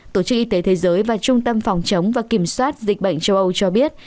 tổ chức y tế thế giới và trung tâm phòng chống và kiểm soát dịch bệnh châu âu cho biết